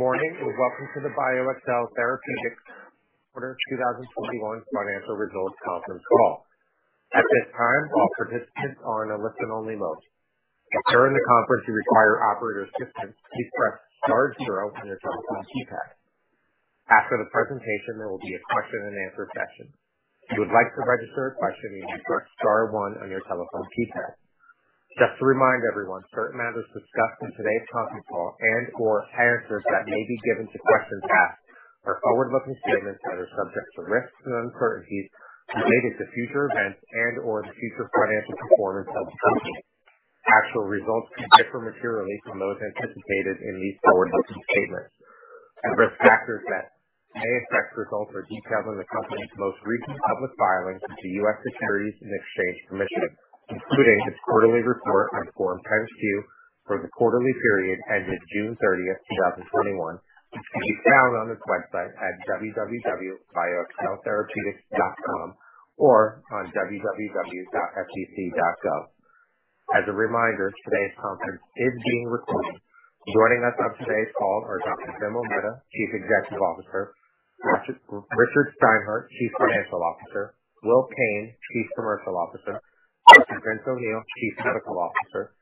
Good morning, and welcome to the BioXcel Therapeutics Q2 2021 Financial Results Conference Call. At this time, all participants are in a listen-only mode. During the conference, if you require operator assistance please press star zero on your telephone keypad. After the presentation, there will be a question-and-answer session. If you would like to register a question, you can press star one on your telephone keypad. Just to remind everyone, certain matters discussed in today's conference call and/or answers that may be given to questions asked are forward-looking statements that are subject to risks and uncertainties relating to future events and/or the future financial performance of the company. Actual results could differ materially from those anticipated in these forward-looking statements. The risk factors that may affect results are detailed in the company's most recent public filings to U.S. Securities and Exchange Commission, including its quarterly report on Form 10-Q for the quarterly period ended June 30th, 2021, which can be found on its website at www.bioxceltherapeutics.com or on www.sec.gov. As a reminder, today's conference is being recorded. Joining us on today's call are Dr. Vimal Mehta, Chief Executive Officer, Richard Steinhart, Chief Financial Officer, Will Kane, Chief Commercial Officer, Dr. Vincent O'Neill, Chief Medical Officer,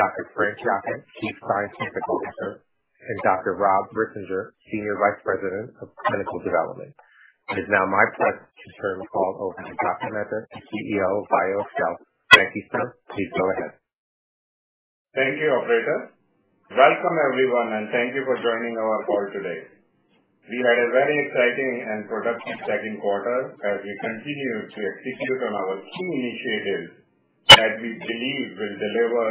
Dr. Frank Yocca, Chief Scientific Officer, and Dr. Rob Risinger, Senior Vice President of Clinical Development. It is now my pleasure to turn the call over to Dr. Mehta, CEO of BioXcel. Thank you, sir. Please go ahead. Thank you, operator. Welcome, everyone, and thank you for joining our call today. We had a very exciting and productive Q2 as we continue to execute on our key initiatives that we believe will deliver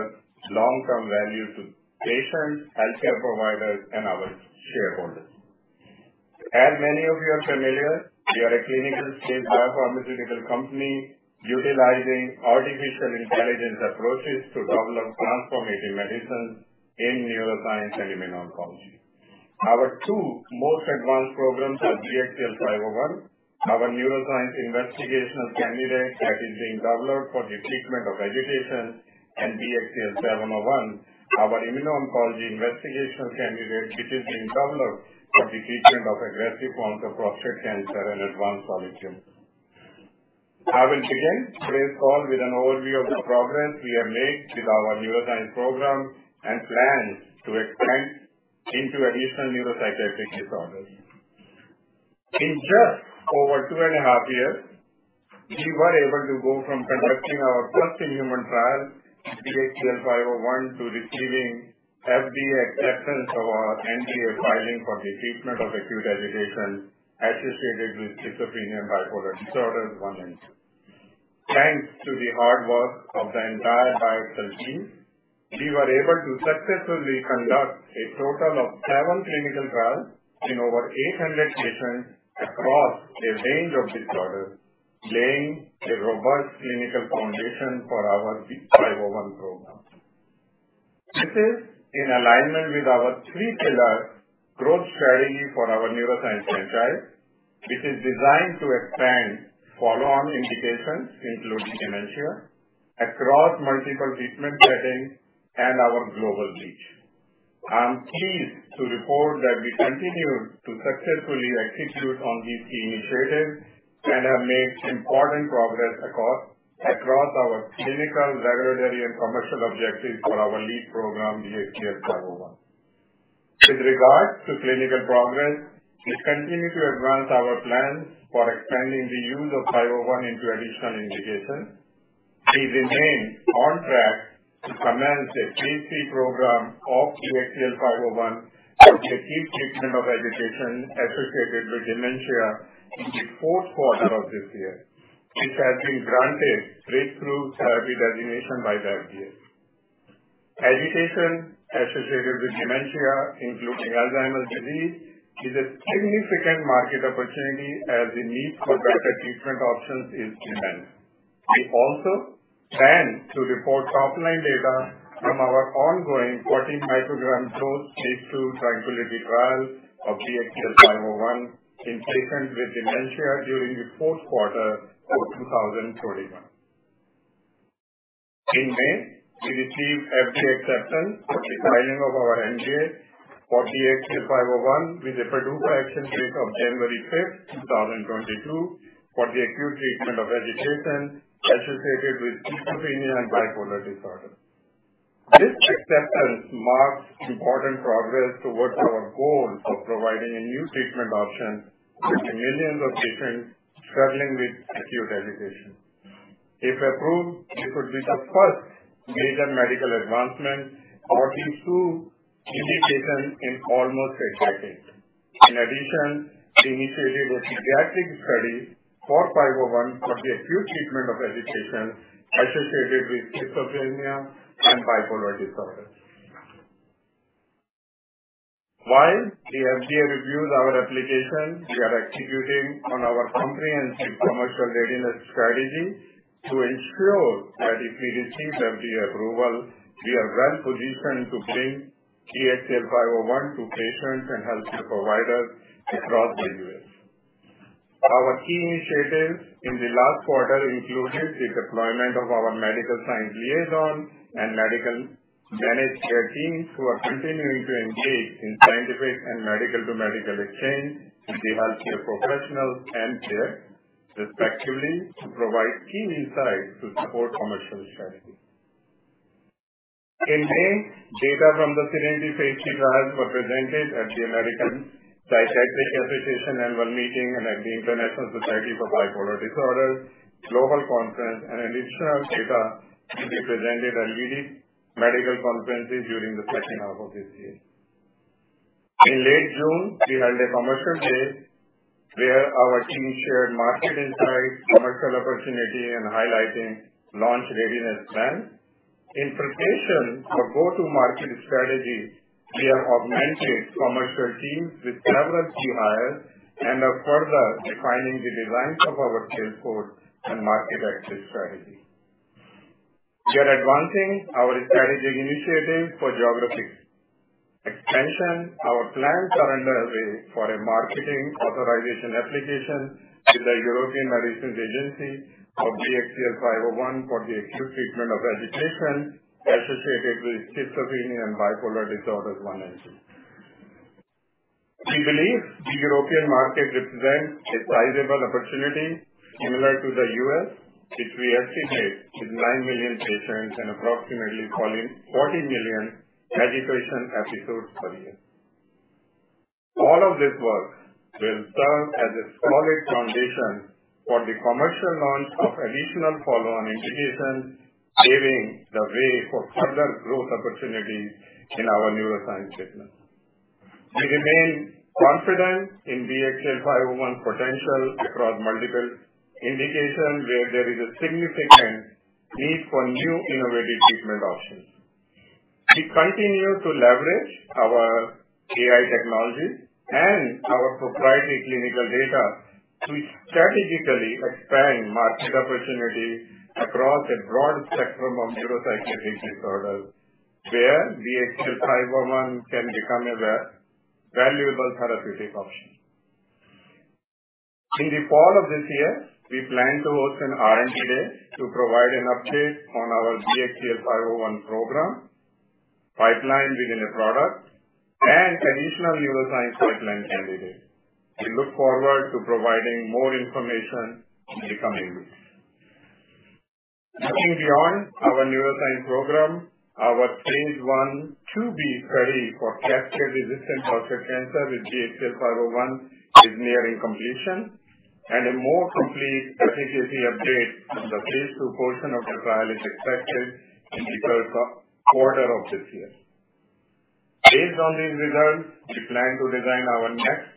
long-term value to patients, healthcare providers, and our shareholders. As many of you are familiar, we are a clinical-stage biopharmaceutical company utilizing artificial intelligence approaches to develop transformative medicines in neuroscience and immuno-oncology. Our two most advanced programs are BXCL501, our neuroscience investigational candidate that is being developed for the treatment of agitation, and BXCL701, our immuno-oncology investigational candidate, which is being developed for the treatment of aggressive forms of prostate cancer and advanced solid tumors. I will begin today's call with an overview of the progress we have made with our neuroscience program and plans to expand into additional neuropsychiatric disorders. In just over two and a half years, we were able to go from conducting our first in human trial, BXCL501, to receiving FDA acceptance of our NDA filing for the treatment of acute agitation associated with schizophrenia and bipolar disorders 1 and 2. Thanks to the hard work of the entire BioXcel team, we were able to successfully conduct a total of seven clinical trials in over 800 patients across a range of disorders, laying a robust clinical foundation for our BXCL501 program. This is in alignment with our three-pillar growth strategy for our neuroscience franchise, which is designed to expand follow-on indications, including dementia, across multiple treatment settings and our global reach. I'm pleased to report that we continue to successfully execute on these key initiatives and have made important progress across our clinical, regulatory, and commercial objectives for our lead program, BXCL501. With regards to clinical progress, we continue to advance our plans for expanding the use of BXCL501 into additional indications. We remain on track to commence a phase III program of BXCL501 for the acute treatment of agitation associated with dementia in the Q4 of this year, which has been granted breakthrough therapy designation by the FDA. Agitation associated with dementia, including Alzheimer's disease, is a significant market opportunity as the need for better treatment options is immense. We also plan to report top-line data from our ongoing 40 microgram dose phase II TRANQUILITY trial of BXCL501 in patients with dementia during the Q4 of 2021. In May, we received FDA acceptance for the filing of our NDA for BXCL501 with a PDUFA action date of January 5th, 2022, for the acute treatment of agitation associated with schizophrenia and bipolar disorder. This acceptance marks important progress towards our goal of providing a new treatment option for the millions of patients struggling with acute agitation. If approved, this would be the first major medical advancement for this huge indication in almost a decade. In addition, we initiated a pediatric study for BXCL501 for the acute treatment of agitation associated with schizophrenia and bipolar disorder. While the FDA reviews our application, we are executing on our comprehensive commercial readiness strategy to ensure that if we receive FDA approval, we are well-positioned to bring BXCL501 to patients and healthcare providers across the U.S. Our key initiatives in the last quarter included the deployment of our medical science liaison and medical management care teams who are continuing to engage in scientific and medical-to-medical exchange with the healthcare professionals and care, respectively, to provide key insights to support commercial strategy. In May, data from the SERENITY phase III trials were presented at the American Psychiatric Association Annual Meeting and at the International Society for Bipolar Disorders Global Conference, and additional data will be presented at leading medical conferences during the second half of this year. In late June, we held a commercial day where our teams shared market insights, commercial opportunity, and highlighting launch readiness plan. In preparation for go-to-market strategy, we have augmented commercial teams with several key hires and are further refining the designs of our sales force and market access strategy. We are advancing our strategic initiative for geographic expansion. Our plans are underway for a Marketing Authorisation Application to the European Medicines Agency of BXCL501 for the acute treatment of agitation associated with schizophrenia and bipolar disorders 1 and 2. We believe the European market represents a sizable opportunity similar to the U.S., which we estimate is nine million patients and approximately 40 million agitation episodes per year. All of this work will serve as a solid foundation for the commercial launch of additional follow-on indications, paving the way for further growth opportunities in our neuroscience business. We remain confident in BXCL501 potential across multiple indications where there is a significant need for new innovative treatment options. We continue to leverage our AI technology and our proprietary clinical data to strategically expand market opportunities across a broad spectrum of neuropsychiatric disorders, where BXCL501 can become a valuable therapeutic option. In the fall of this year, we plan to host an R&D day to provide an update on our BXCL501 program, pipeline within a product, and additional neuroscience pipeline candidates. We look forward to providing more information in the coming weeks. Looking beyond our neuroscience program, our phase I-B/II study for castration-resistant prostate cancer with BXCL701 is nearing completion, and a more complete efficacy update on the phase II portion of the trial is expected in the Q3 of this year. Based on these results, we plan to design our next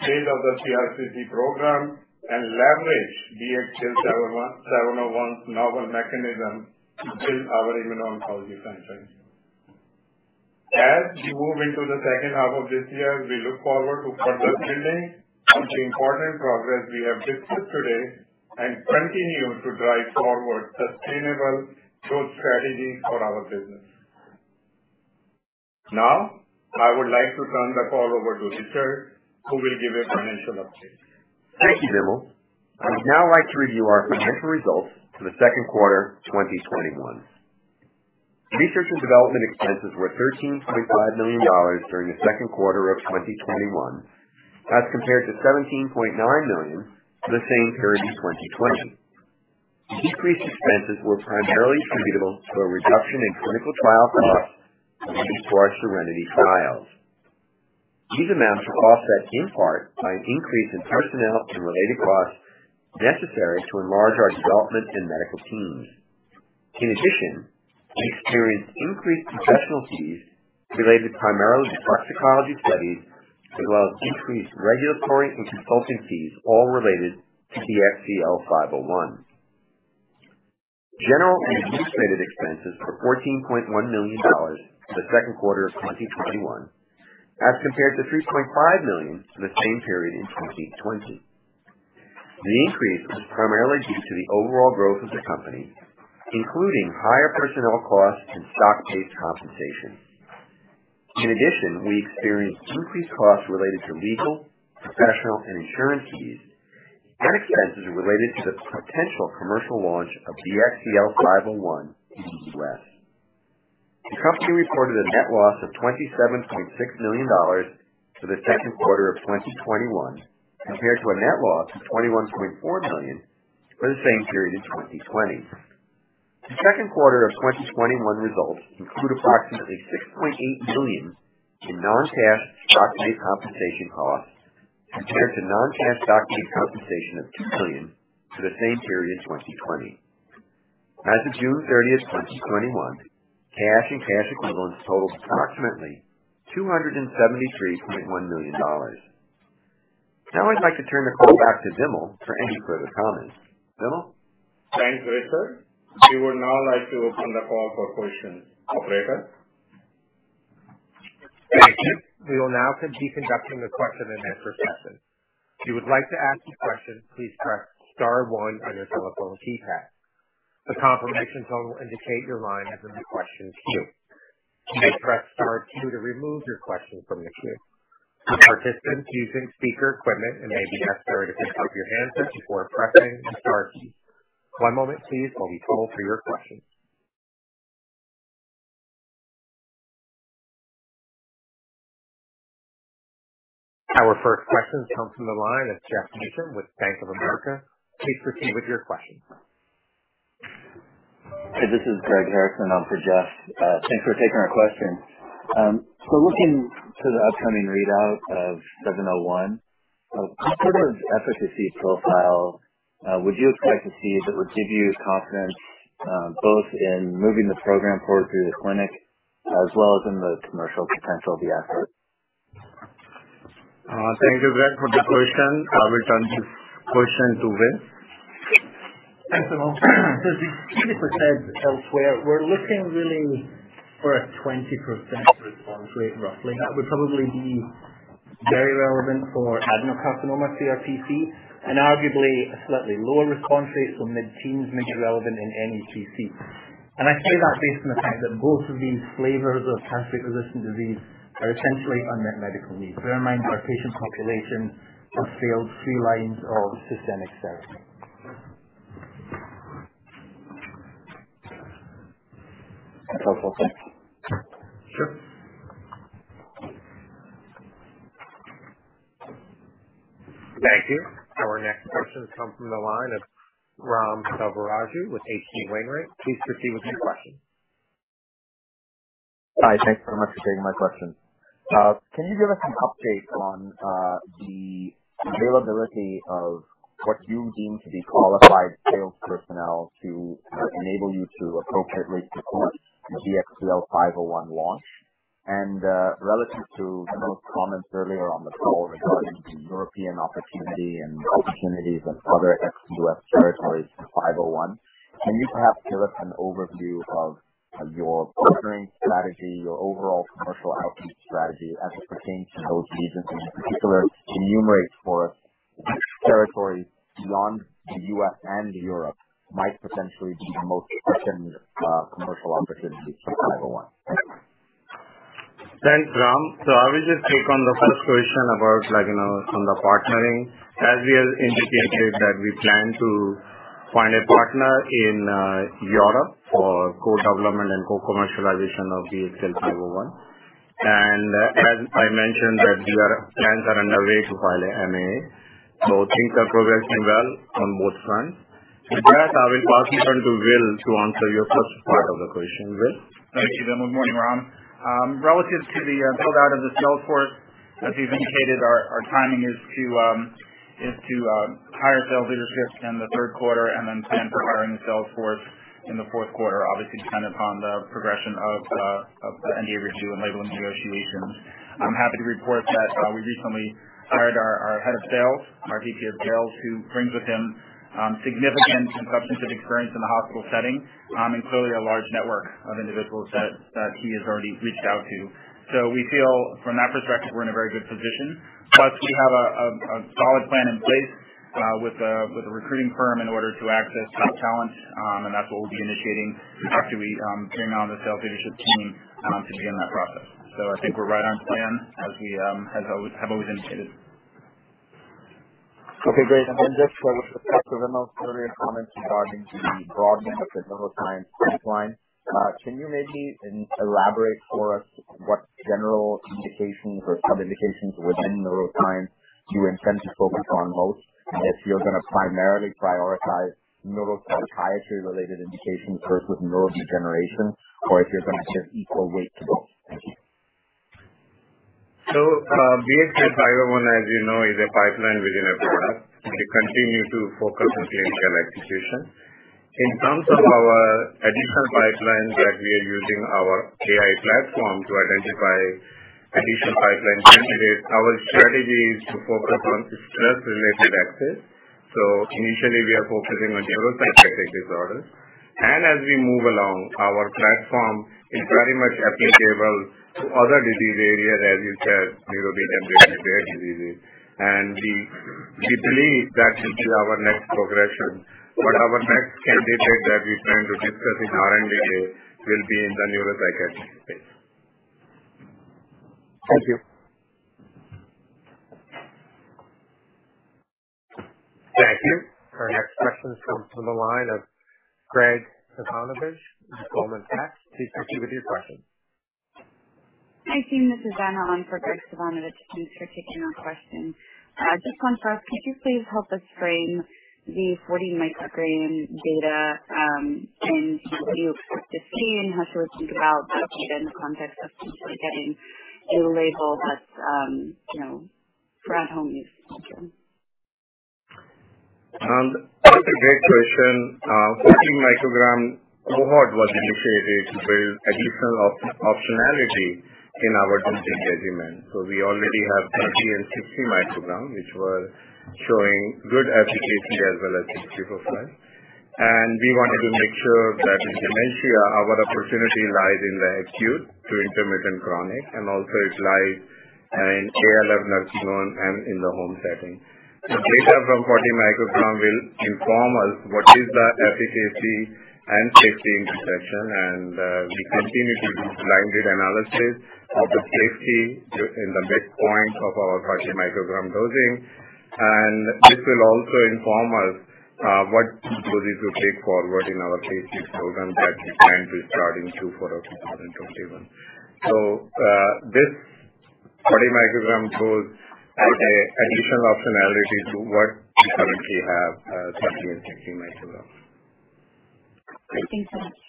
phase of the CRPC program and leverage BXCL701 novel mechanism within our immuno-oncology pipeline. As we move into the second half of this year, we look forward to further building on the important progress we have discussed today and continue to drive forward sustainable growth strategies for our business. Now, I would like to turn the call over to Richard, who will give a financial update. Thank you, Vimal Mehta. I'd now like to review our financial results for the Q2 2021. Research and development expenses were $13.5 million during the Q2 of 2021, as compared to $17.9 million for the same period in 2020. Decreased expenses were primarily attributable to a reduction in clinical trial costs related to our SERENITY trials. These amounts were offset in part by an increase in personnel and related costs necessary to enlarge our development and medical teams. In addition, we experienced increased professional fees related primarily to toxicology studies, as well as increased regulatory and consulting fees, all related to BXCL501. General and administrative expenses were $14.1 million for the Q2 of 2021, as compared to $3.5 million for the same period in 2020. The increase was primarily due to the overall growth of the company, including higher personnel costs and stock-based compensation. In addition, we experienced increased costs related to legal, professional, and insurance fees and expenses related to the potential commercial launch of BXCL501 in the U.S. The company reported a net loss of $27.6 million for the Q2 of 2021, compared to a net loss of $21.4 million for the same period in 2020. The Q2 of 2021 results include approximately $6.8 million in non-cash stock-based compensation costs, compared to non-cash stock-based compensation of $2 million for the same period in 2020. As of June 30th, 2021, cash and cash equivalents totaled approximately $273.1 million. Now I'd like to turn the call back to Vimal for any further comments. Vimal? Thanks, Richard. We would now like to open the call for questions. Operator? Thank you. We will now be conducting the question-and-answer session. If you would like to ask a question, please press star one on your telephone keypad. A confirmation tone will indicate your line has been questioned queued. You may press star two to remove your question from the queue. For participants using speaker equipment, it may be necessary to pick up your handset before pressing star two. One moment please while we poll for your questions. Our first question comes from the line of Jeff Harrison with Bank of America. Please proceed with your question. Hey, this is Greg Harrison on for Jeff. Thanks for taking our question. Looking to the upcoming readout of BXCL701, what sort of efficacy profile would you expect to see that would give you confidence both in moving the program forward through the clinic as well as in the commercial potential of the asset? Thank you, Greg, for the question. I'll return this question to Will. Thanks, Vimal. As you've previously said elsewhere, we're looking really for a 20% response rate, roughly. That would probably be very relevant for adenocarcinoma CRPC and arguably a slightly lower response rate. Mid-teens may be relevant in NEPC. I say that based on the fact that both of these flavors of castrate-resistant disease are essentially unmet medical needs. Bear in mind our patient population have failed three lines of systemic therapy. That's helpful. Thanks. Sure. Thank you. Our next question comes from the line of Ram Selvaraju with H.C. Wainwright. Please proceed with your question. Hi. Thanks so much for taking my question. Can you give us an update on the availability of what you deem to be qualified sales personnel to enable you to appropriately support the BXCL501 launch? Relative to Vimal's comments earlier on the call regarding the European opportunity and opportunities in other ex-U.S. territories for BXCL501, can you perhaps give us an overview of your partnering strategy, your overall commercial outreach strategy as it pertains to those regions, and in particular, enumerate for us which territories beyond the U.S. and Europe might potentially be the most pertinent commercial opportunities for BXCL501 Thanks, Ram. I will just take on the first question about from the partnering. As we have indicated that we plan to find a partner in Europe for co-development and co-commercialization of BXCL501. As I mentioned that we are plans are underway to file an MAA. Things are progressing well on both fronts. With that, I will pass you on to Will to answer your first part of the question. Will? Thank you, Vimal. Good morning, Ram. Relative to the build-out of the sales force, as we've indicated, our timing is to hire sales leadership in the Q3 and then plan for hiring the sales force in the Q4, obviously dependent upon the progression of the NDA review and labeling negotiations. I'm happy to report that we recently hired our head of sales, VP of sales, who brings with him significant and substantive experience in the hospital setting, and clearly a large network of individuals that he has already reached out to. We feel from that perspective, we're in a very good position. Plus, we have a solid plan in place with a recruiting firm in order to access top talent, and that's what we'll be initiating after we bring on the sales leadership team to begin that process. I think we're right on plan as we have always indicated. Okay, great. Then just with respect to Vimal's earlier comments regarding the broadening of the neuroscience pipeline, can you maybe elaborate for us what general indications or sub-indications within neuroscience you intend to focus on most? If you're going to primarily prioritize neuropsychiatry-related indications versus neurodegeneration, or if you're going to give equal weight to both. Thank you. BXCL501, as you know, is a pipeline within a product. We continue to focus on clinical execution. In terms of our additional pipelines that we are using our AI platform to identify additional pipeline candidates, our strategy is to focus on stress-related axes. Initially, we are focusing on neuropsychiatric disorders. As we move along, our platform is very much applicable to other disease areas, as you said, neurodegenerative disease. We believe that will be our next progression. Our next candidate that we plan to discuss in R&D day will be in the neuropsychiatric space. Thank you. Thank you. Our next question comes from the line of Graig Suvannavejh with Goldman Sachs. Please proceed with your question. Hi, team. This is Anna on for Graig Suvannavejh. Thanks for taking our question. Just on trials, could you please help us frame the 40 microgram data and what you expect to see and how to think about that data in the context of potentially getting a label that's for at-home use only? That's a great question. 40 microgram cohort was initiated with additional optionality in our dosing regimen. We already have 30 and 60 microgram, which were showing good efficacy as well as safety profile. We wanted to make sure that in dementia, our opportunity lies in the acute to intermittent chronic, and also it lies in ALF nursing home and in the home setting. The data from 40 microgram will inform us what is the efficacy and safety in this session. We continue to do blinded analysis of the safety in the midpoint of our 40 microgram dosing. This will also inform us what dosage to take forward in our phase III program that we plan to start in Q4 of 2021. This 40 microgram dose adds additional optionality to what we currently have at 20 and 50 micrograms. Great. Thanks so much.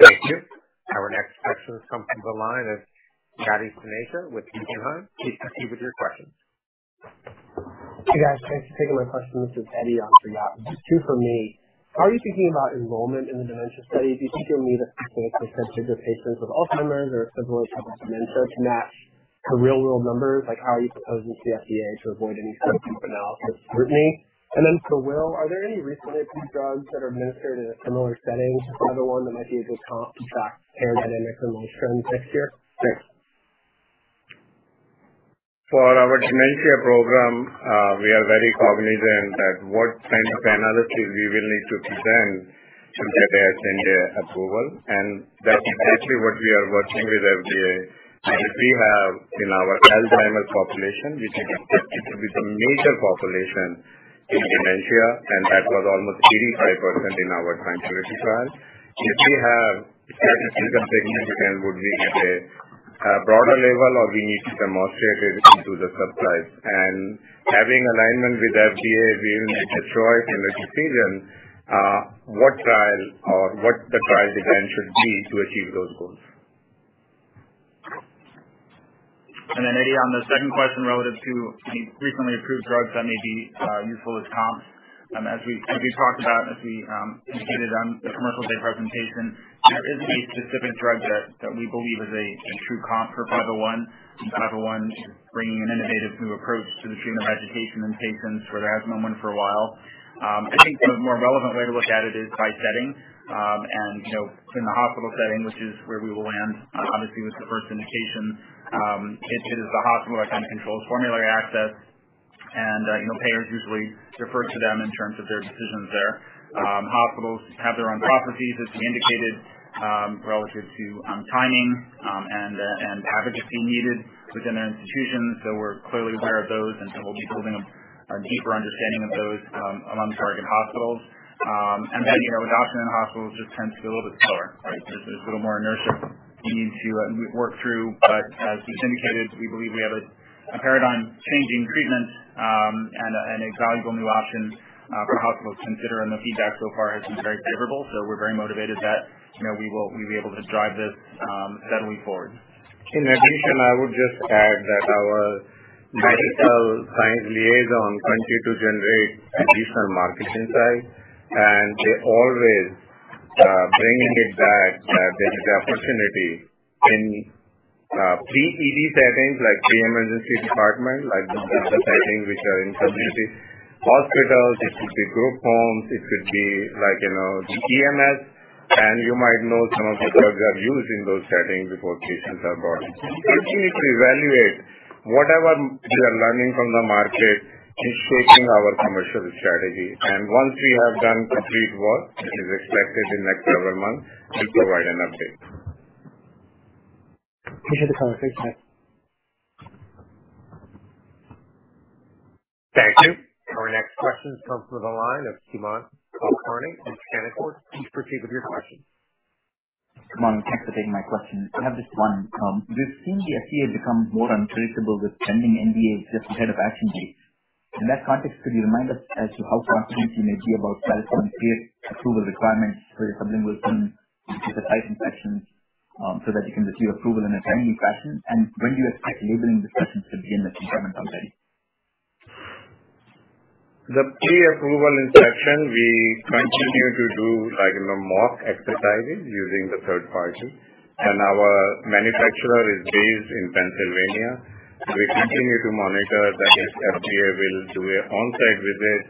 Thank you. Our next question comes from the line of Eddie Hickman with Guggenheim. Please proceed with your question. Hey, guys. Thanks for taking my question. This is Eddie Hickman from Guggenheim. Two from me. Are you thinking about enrollment in the dementia study? Do you think you'll need a critical percentage of patients with Alzheimer's or several types of dementia to match to real world numbers? How are you proposing to the FDA to avoid any kind of group analysis scrutiny? And then for Will, are there any recently approved drugs that are administered in a similar setting to BXCL501 that might be a good comp to back that in the commercial trend picture? Thanks. For our dementia program, we are very cognizant that what kind of analysis we will need to present to get a FDA approval. That is actually what we are working with FDA. If we have in our Alzheimer's population, which is expected to be the major population in dementia. That was almost 85% in our TRANQUILITY trial. If we have certain signal significant, would we need a broader label or we need to demonstrate it into the subtype. Having alignment with FDA, we will make a choice and make a decision, what trial or what the trial design should be to achieve those goals. Eddie, on the second question relative to any recently approved drugs that may be useful as comps. As we talked about, as we indicated on the commercial day presentation, there isn't a specific drug that we believe is a true comp for BXCL501. BXCL501 is bringing an innovative new approach to the treatment of agitation in patients where there has been one for a while. I think the more relevant way to look at it is by setting. In the hospital setting, which is where we will land, obviously, with the first indication, it is the hospital that controls formulary access, and payers usually refer to them in terms of their decisions there. Hospitals have their own processes, as we indicated, relative to timing, and advocacy needed within an institution. We're clearly aware of those, and so we'll be building a deeper understanding of those among target hospitals. With adoption in hospitals, it just tends to be a little bit slower, right? There's a little more inertia we need to work through. As we've indicated, we believe we have a paradigm-changing treatment, and a valuable new option for hospitals to consider. The feedback so far has been very favorable. We're very motivated that we'll be able to drive this steadily forward. In addition, I would just add that our medical science liaison continue to generate additional market insight. They're always bringing it back that there's the opportunity in pre-ED settings like pre-emergency department, like the other settings which are in community hospitals. It could be group homes, it could be EMS, and you might know some of the drugs are used in those settings before patients are brought in. We need to evaluate whatever we are learning from the market in shaping our commercial strategy. Once we have done complete work, it is expected in the next several months, we'll provide an update. Appreciate the conversation. Thank you. Our next question comes from the line of Sumant Kulkarni with Canaccord Genuity. Please proceed with your question. Vimal, thanks for taking my question. I have just one. We've seen the FDA become more unpredictable with pending NDAs just ahead of action dates. In that context, could you remind us as to how confident you may be about BXCL501 clear approval requirements for your sublingual film with the site inspections, so that you can receive approval in a timely fashion? When do you expect labeling discussions to begin with [compartment company]? The pre-approval inspection, we continue to do mock exercises using the third party, and our manufacturer is based in Pennsylvania. We continue to monitor that if FDA will do an on-site visit,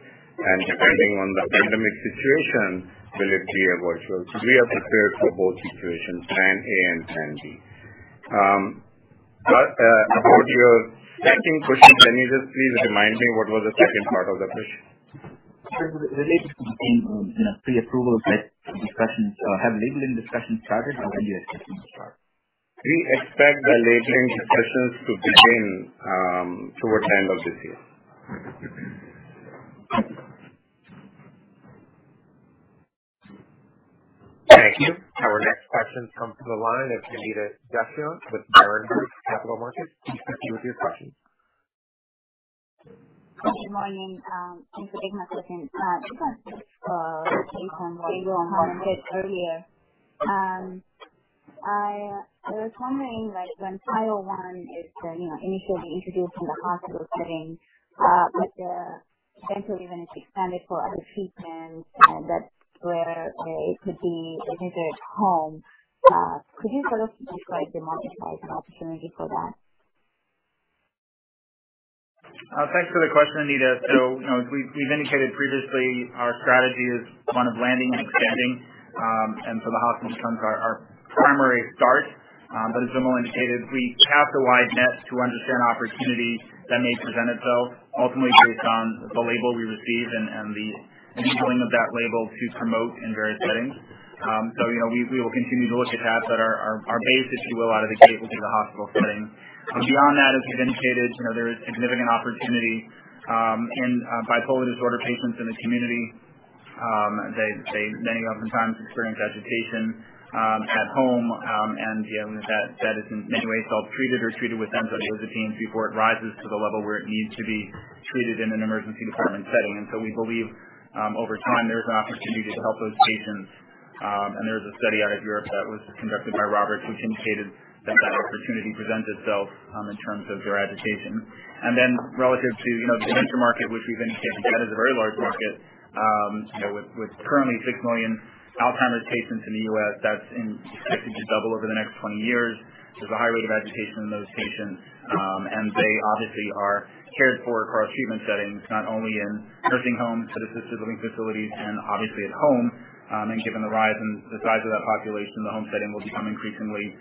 and depending on the pandemic situation, will it be a virtual. We are prepared for both situations, plan A and plan B. About your second question, can you just please remind me what was the second part of the question? Related to the pre-approval site discussions, have labeling discussions started, or when do you expect them to start? We expect the labeling discussions to begin towards the end of this year. Thank you. Our next question comes from the line of Anita Dushyanth with Berenberg Capital Markets. Please proceed with your question. Good morning. Thanks for taking my question. Just on what you all commented earlier. I was wondering, when BXCL501 is initially introduced in the hospital setting, but there, potentially, even if it's expanded for other treatments and that's where it could be administered at home. Could you sort of describe the marketplace and opportunity for that? Thanks for the question, Anita. As we've indicated previously, our strategy is one of landing and expanding. The hospital becomes our primary start. As Vimal indicated, we cast a wide net to understand opportunities that may present itself, ultimately based on the label we receive and the ability of that label to promote in various settings. We will continue to look at that, but our base, if you will, out of the gate, will be the hospital setting. Beyond that, as we've indicated, there is significant opportunity in bipolar disorder patients in the community. Many oftentimes experience agitation at home, and that is in many ways self-treated or treated with benzodiazepines before it rises to the level where it needs to be treated in an emergency department setting. We believe, over time, there's an opportunity to help those patients. There was a study out of Europe that was conducted by Robert, which indicated that that opportunity presents itself in terms of their agitation. Relative to the dementia market, which we've indicated, that is a very large market. With currently six million Alzheimer's patients in the U.S., that's expected to double over the next 20 years. There's a high rate of agitation in those patients. They obviously are cared for across treatment settings, not only in nursing homes but assisted living facilities and obviously at home. Given the rise in the size of that population, the home setting will become increasingly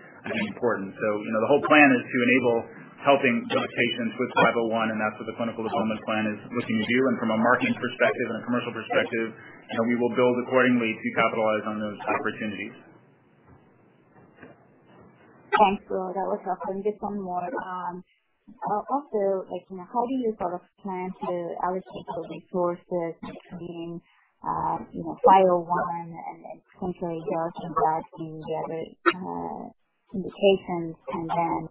important. The whole plan is to enable helping those patients with BXCL501, and that's what the clinical development plan is looking to do. From a marketing perspective and a commercial perspective, we will build accordingly to capitalize on those opportunities. Thanks. That was helpful. Just one more. Also, how do you sort of plan to allocate those resources between BXCL501 and potentially BXCL701 in the other indications and then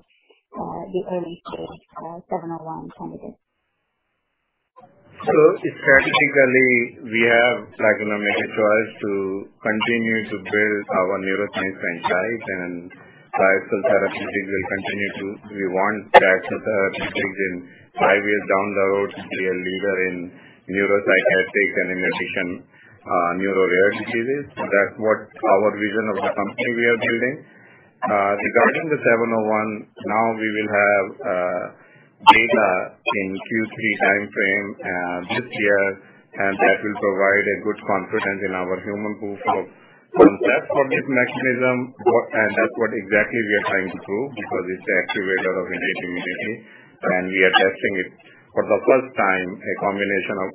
the early-stage BXCL701 candidates? Strategically, we have formulated for us to continue to build our neuroscience franchise. We want BioXcel Therapeutics in five years down the road to be a leader in neuropsychiatric and neuroimmune rare diseases. That's what our vision of the company we are building. Regarding the BXCL701, now we will have data in Q3 timeframe this year. That will provide a good confidence in our human proof of concept for this mechanism. That's what exactly we are trying to prove, because it's the activator of innate immunity. We are testing it for the first time, a combination of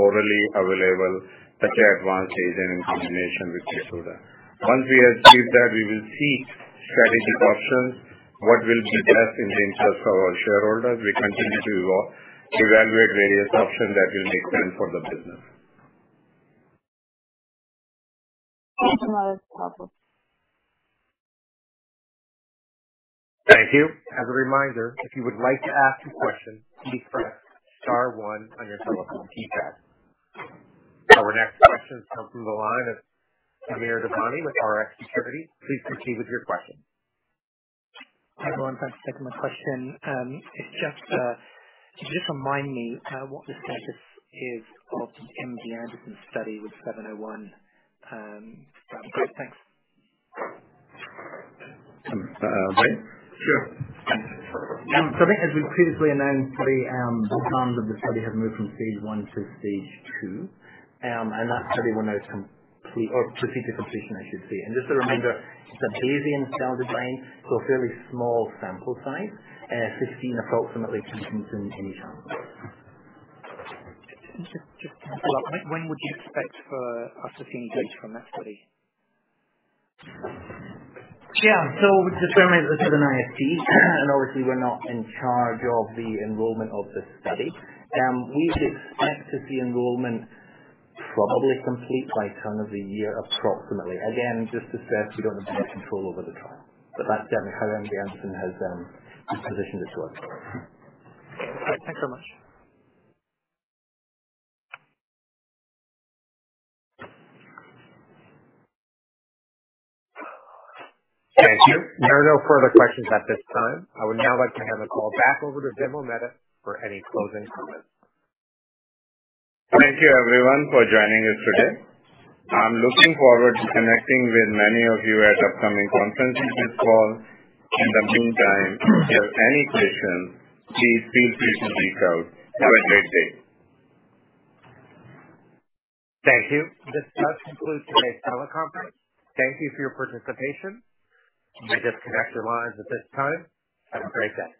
orally available such advanced agent in combination with [capecitabine]. Once we achieve that, we will seek strategic options, what will be best in the interest of our shareholders. We continue to evaluate various options that will make sense for the business. Thanks a lot. That's helpful. Thank you. As a reminder, if you would like to ask a question, please press star one on your telephone keypad. Our next question comes from the line of Samir Devani with Rx Securities. Please proceed with your question. Hi, everyone. Thanks for taking my question. Could you just remind me what the status is of the MD Anderson study with BXCL701? Great. Thanks. Vincent. Sure. I think as we've previously announced, the two arms of the study have moved from stage one to stage two. That study will now complete or proceed to completion, I should say. Just a reminder, it's an Bayesian styled design, so a fairly small sample size, 15 approximately patients in each arm. To follow up, when would you expect for us to see any data from that study? Yeah. This is currently an IST, and obviously we're not in charge of the enrollment of the study. We would expect to see enrollment probably complete by the end of the year, approximately. Again, just to stress, we don't have direct control over the trial. That's definitely how MD Anderson has positioned the trial. Great. Thanks so much. Thank you. There are no further questions at this time. I would now like to hand the call back over to Vimal Mehta for any closing comments. Thank you everyone for joining us today. I'm looking forward to connecting with many of you at upcoming conferences and calls. In the meantime, if you have any questions, please feel free to reach out. Have a great day. Thank you. This does conclude today's teleconference. Thank you for your participation. You may disconnect your lines at this time. Have a great day.